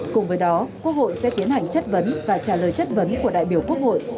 cùng với đó quốc hội sẽ tiến hành chất vấn và trả lời chất vấn của đại biểu quốc hội